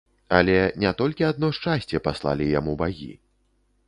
Але не толькі адно шчасце паслалі яму багі.